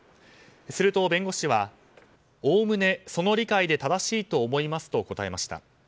すると弁護士はおおむねその理解で正しいと思いますと答えました。